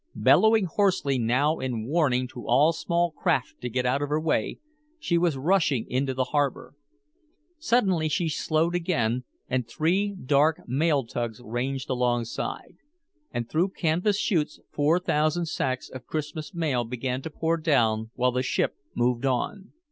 Bellowing hoarsely now in warning to all small craft to get out of her way, she was rushing into the harbor. Suddenly she slowed again, and three dark mail tugs ranged alongside, and through canvas chutes four thousand sacks of Christmas mail began to pour down while the ship moved on.